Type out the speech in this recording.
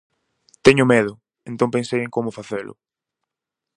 Teño medo, entón pensei en como facelo.